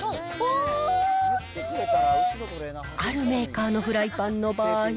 あるメーカーのフライパンの場合。